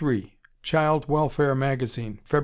Child Welfare Magazine, Feb.